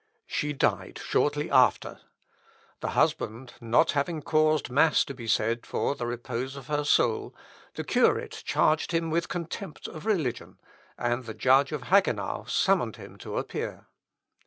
She died shortly after. The husband not having caused mass to be said for the repose of her soul, the curate charged him with contempt of religion, and the judge of Hagenau summoned him to appear.